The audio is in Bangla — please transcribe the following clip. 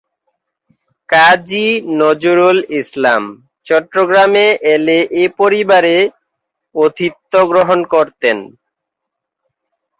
কাজী নজরুল ইসলাম চট্টগ্রামে এলে এ পরিবারে আতিথ্য গ্রহণ করতেন।